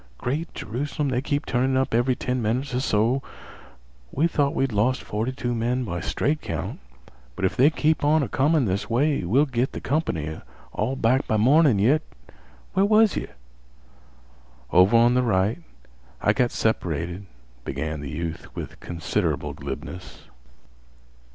Great Jerusalem, they keep turnin' up every ten minutes or so! We thought we'd lost forty two men by straight count, but if they keep on a comin' this way, we'll git th' comp'ny all back by mornin' yit. Where was yeh?" "Over on th' right. I got separated"—began the youth with considerable glibness.